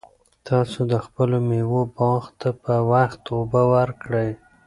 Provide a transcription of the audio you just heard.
تاسو د خپلو مېوو باغ ته په وخت اوبه ورکړئ.